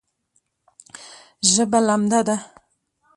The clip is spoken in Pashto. ژبه لمده ده